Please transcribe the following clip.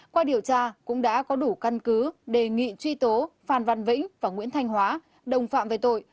qua điều tra cũng đã có đủ căn cứ đề nghị truy tố phan văn vĩnh và nguyễn thanh hóa đồng phạm về tội